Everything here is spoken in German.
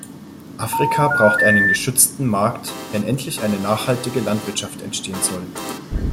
Afrika braucht einen geschützten Markt, wenn endlich eine nachhaltige Landwirtschaft entstehen soll.